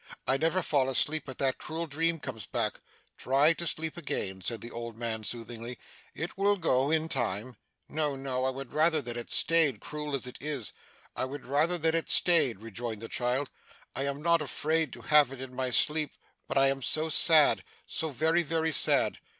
I never fall asleep, but that cruel dream comes back.' 'Try to sleep again,' said the old man, soothingly. 'It will go in time.' 'No no, I would rather that it staid cruel as it is, I would rather that it staid,' rejoined the child. 'I am not afraid to have it in my sleep, but I am so sad so very, very sad.